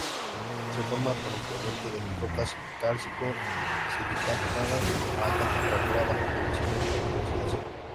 Se forma por enfriamiento de rocas cálcico-silicatadas a alta temperatura, bajo condiciones de oxidación.